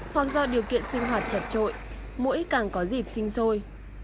hoặc do điều kiện sinh hoạt chật trội mỗi càng có dịp sinh sôi